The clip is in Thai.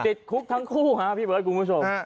ติดคุกทั้งคู่ฮะพี่เบิร์ดคุณผู้ชม